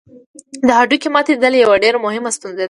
د هډوکي ماتېدل یوه ډېره مهمه ستونزه ده.